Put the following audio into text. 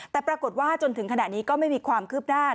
แต่ปรากฏว่าจนถึงขณะนี้ก็ไม่มีความคืบหน้า